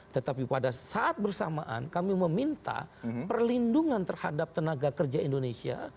tetapi pada saat bersamaan kami meminta perlindungan terhadap tenaga kerja indonesia